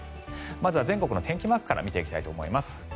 まずは全国の天気マークから見ていきたいと思います。